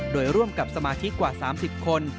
โดยร่วมกับสมาชิกกว่า๓๐คน